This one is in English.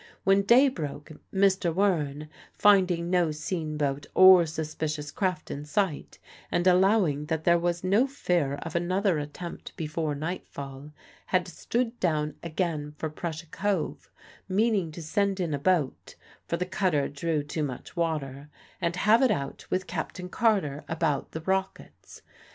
When day broke, Mr. Wearne, finding no sean boat or suspicious craft in sight, and allowing that there was no fear of another attempt before nightfall, had stood down again for Prussia Cove, meaning to send in a boat (for the cutter drew too much water) and have it out with Captain Carter about the rockets.